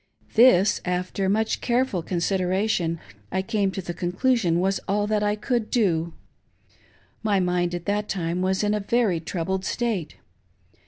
This, after much careful consideration, I came to the conclu sion was all that I could do. My mind at that time was in a very troubled state.